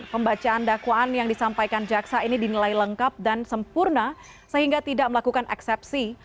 pembacaan dakwaan yang disampaikan jaksa ini dinilai lengkap dan sempurna sehingga tidak melakukan eksepsi